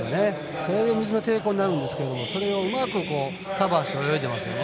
それで水の抵抗になってしまうんですがそれをうまくカバーして泳いでますよね。